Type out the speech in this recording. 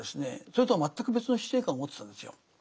それとは全く別の死生観を持ってたんですよ。